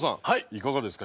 いかがですか？